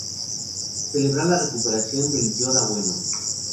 Celebrar la recuperación del Yoda bueno"".